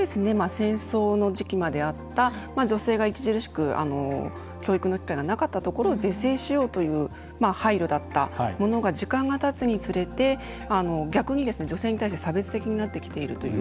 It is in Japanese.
戦争の時期まであった女性が著しく教育の機会がなかったところを是正しようという配慮だったものが時間がたつにつれて逆に女性に対して差別的になってきているという。